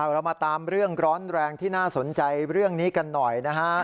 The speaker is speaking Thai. เรามาตามเรื่องร้อนแรงที่น่าสนใจเรื่องนี้กันหน่อยนะฮะ